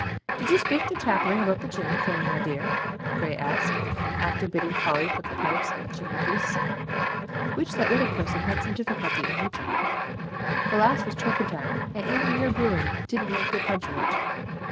'Did you speak to Tapling about the gin, Fanny, my dear?' Gray asked, after bidding Polly put the pipes on the chimney piece, which that little person had some difficulty in reaching. 'The last was turpentine, and even your brewing didn't make good punch of it.'